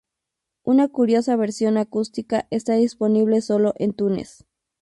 Una curiosa versión acústica está disponible sólo en iTunes.